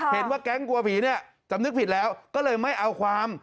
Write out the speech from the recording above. เห็นว่าแก๊งกลัวผีเนี่ยจำนึกผิดแล้วก็เลยไม่เอาความ